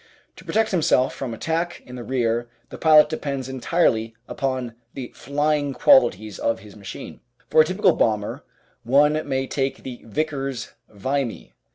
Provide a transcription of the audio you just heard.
To protect himself from attack in the rear the pilot depends entirely upon the flying qualities of his machine. For a typical bomber, one may take the Vickers "Vimy."